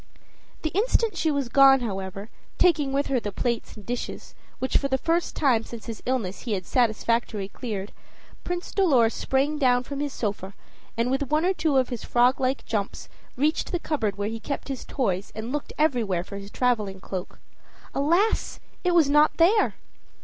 The instant she was gone, however, taking with her the plates and dishes, which for the first time since his illness he had satisfactorily cleared, Prince Dolor sprang down from his sofa, and with one or two of his frog like jumps reached the cupboard where he kept his toys, and looked everywhere for his traveling cloak. Alas! it was not there.